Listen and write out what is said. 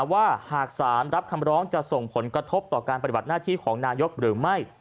ว่าหากสารรับคำร้องจะส่งผลกระทบต่อการปฏิบัติหน้าที่ของนายกหรือไม่